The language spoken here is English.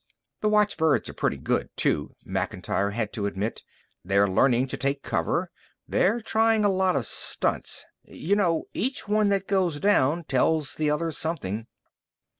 "The watchbirds are pretty good, too," Macintyre had to admit. "They're learning to take cover. They're trying a lot of stunts. You know, each one that goes down tells the others something."